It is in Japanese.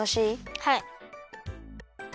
はい。